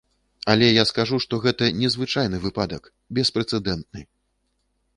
Але я скажу, што гэта незвычайны выпадак, беспрэцэдэнтны!